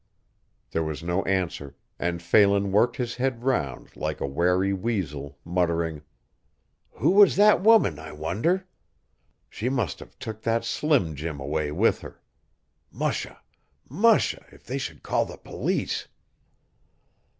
There was no answer, and Phelan worked his head round like a wary weazel, muttering: "Who was that woman, I wonder? She must have took that Slim Jim away with her. Musha! Musha! If they should call the police.